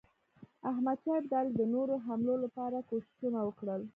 احمدشاه ابدالي د نورو حملو لپاره کوښښونه وکړل.